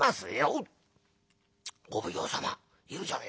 おっお奉行様いるじゃねえかよ。